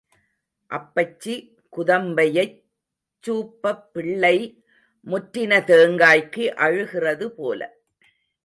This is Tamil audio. அப்பச்சி குதம்பையைச் சூப்பப் பிள்ளை முற்றின தேங்காய்க்கு அழுகிறது போல.